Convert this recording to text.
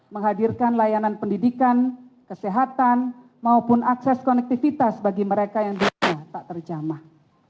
menghadirkan layanan pendidikan kesehatan maupun akses konektivitas bagi mereka yang tak terjamah